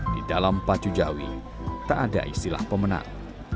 di dalam pacu jawi tak ada istilah pemenang